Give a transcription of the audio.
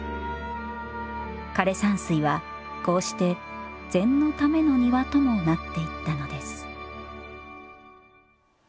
枯山水はこうして禅のための庭ともなっていったのです